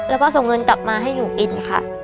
แล้วก็ส่งเงินกลับมาให้หนูกินค่ะ